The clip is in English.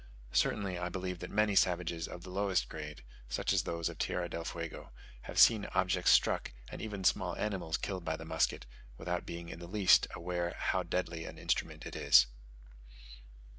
Certainly I believe that many savages of the lowest grade, such as these of Tierra del Fuego, have seen objects struck, and even small animals killed by the musket, without being in the least aware how deadly an instrument it is.